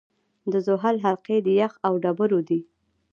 د زحل حلقې د یخ او ډبرو دي.